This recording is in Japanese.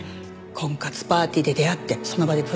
婚活パーティーで出会ってその場でプロポーズ。